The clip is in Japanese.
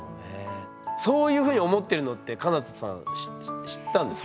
そういうふうに思ってるのってかな多さん知ったんですか？